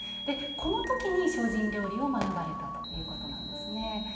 この時に、精進料理を学ばれたということなんですね。